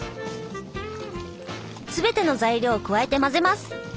すべての材料を加えて混ぜます。